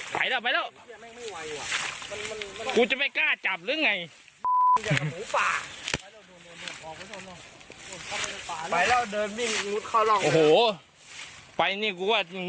ไปแล้วเดินวิ่งมุกเข้าจังอ่ะโหไปนี่กูว่าจง